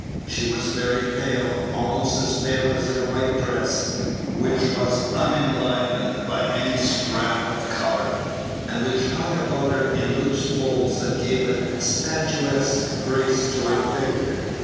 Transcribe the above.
She was very pale, almost as pale as her white dress, which was unenlivened by any scrap of color, and which hung about her in loose folds that gave a statuesque grace to her figure.